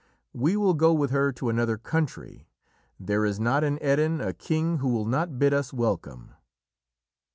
We will go with her to another country. There is not in Erin a king who will not bid us welcome."